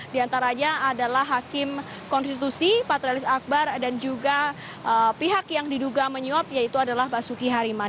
di antaranya adalah hakim konstitusi patrialis akbar dan juga pihak yang diduga menyuap yaitu adalah basuki hariman